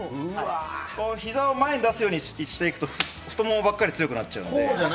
ひざを前に出すようにしていくと太ももばかり強くなるので。